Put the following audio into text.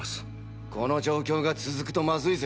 この状況が続くとマズいぜ。